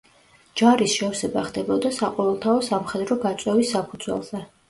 ჯარის შევსება ხდებოდა საყოველთაო სამხედრო გაწვევის საფუძველზე.